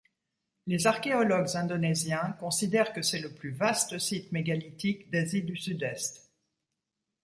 Les archéologues indonésiens considèrent que c'est le plus vaste site mégalithique d'Asie du Sud-Est.